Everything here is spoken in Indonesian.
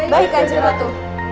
baik kajang ratu